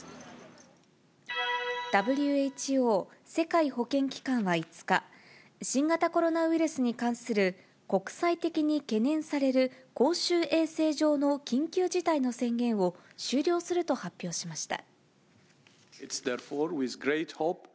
ＷＨＯ・世界保健機関は５日、新型コロナウイルスに関する国際的に懸念される公衆衛生上の緊急事態の宣言を終了すると発表しました。